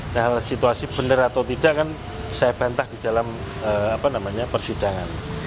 nah situasi benar atau tidak kan saya bantah di dalam persidangan